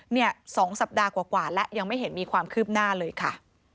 เนี่ย๒สัปดาห์กว่าและยังไม่เห็นมีความคืบหน้าเลยค่ะ